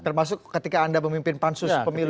termasuk ketika anda memimpin pansus pemilu